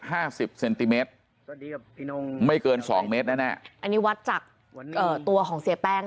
สิบเซนติเมตรไม่เกินสองเมตรแน่แน่อันนี้วัดจากเอ่อตัวของเสียแป้ง